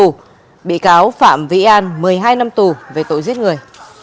tổng hình phạt là một mươi năm năm tù về tội giết người